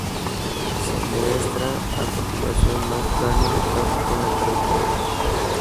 Se muestran a continuación más planos de tráfico en la carretera.